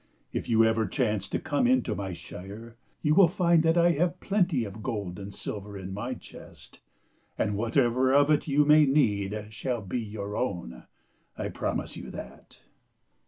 If you ever chance to come into my shire, you will find that I have plenty t^^ ^x\(xx'& €(xk 129 of gold and silver in my chest, and whatever of it you may need shall be your own, I promise you that."